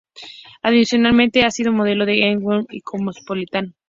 Adicionalmente ha sido modelo para "Elle" y "Cosmopolitan".